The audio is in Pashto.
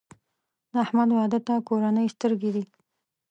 د احمد واده ته کورنۍ سترګې دي.